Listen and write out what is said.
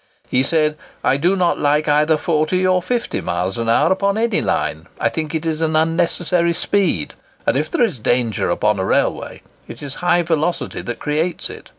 He said: "I do not like either 40 or 50 miles an hour upon any line—I think it is an unnecessary speed; and if there is danger upon a railway, it is high velocity that creates it.